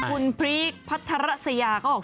คุณพรีภัทรสยาก็ออก